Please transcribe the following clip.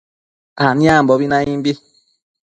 aniambobi naimbi